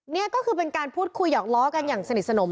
นี่ก็คือเป็นการพูดคุยหยอกล้อกันอย่างสนิทสนม